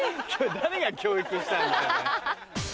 誰が教育したんだよ。